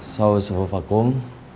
sawa subuh vakum